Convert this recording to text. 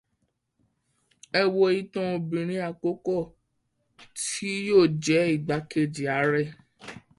Ẹ wo ìtàn obìnrin àkọ́kọ́ tí yóò jẹ igbákejì Ààrẹ.